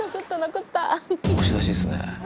押し出しですね。